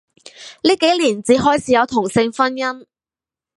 呢幾年至開始有同性婚姻